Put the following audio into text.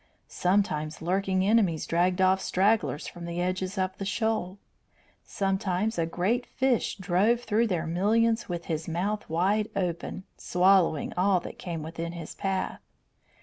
Sometimes lurking enemies dragged off stragglers from the edges of the shoal; sometimes a great fish drove through their millions with his mouth wide open, swallowing all that came within his path.